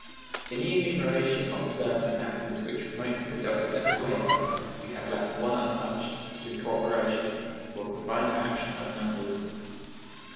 In the enumeration of the circumstances which promote the productiveness of labor, we have left one untouched, which is co operation, or the combined action of numbers.